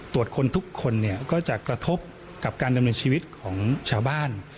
ตรวจคนทุกคนเนี่ยก็จะกระทบกับการดำเนินชีวิตของชาวบ้าน